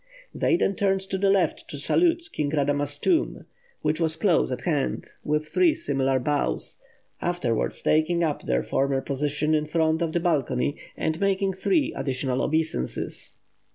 They then turned to the left to salute King Radama's tomb, which was close at hand, with three similar bows, afterwards taking up their former position in front of the balcony, and making three additional obeisances.